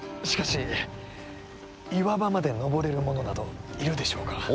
しかし岩場まで登れる者などいるでしょうか。